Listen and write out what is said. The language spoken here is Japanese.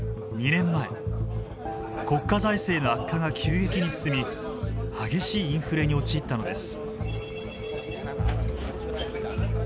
国家財政の悪化が急激に進み激しいインフレに陥ったのです。